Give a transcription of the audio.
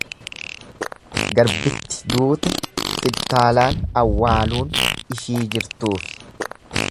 Garbitti duute fittaalaan awwaaluun ishii jirtuufi.